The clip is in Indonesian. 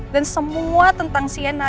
dan semua tentang sienna